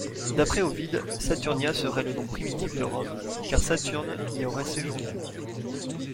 D'après Ovide, Saturnia serait le nom primitif de Rome car Saturne y aurait séjourné.